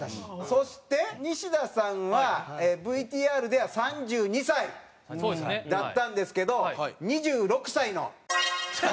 そして西田さんはＶＴＲでは３２歳だったんですけど２６歳の。